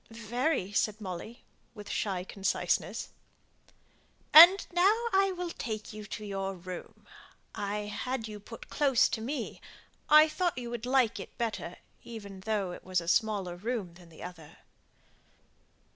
"Very," said Molly, with shy conciseness. "And now I will take you to your room; I have had you put close to me; I thought you would like it better, even though it was a smaller room than the other."